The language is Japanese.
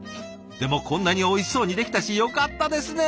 でもこんなにおいしそうにできたしよかったですね！